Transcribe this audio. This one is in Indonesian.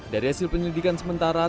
dari hasil penyelidikan sementara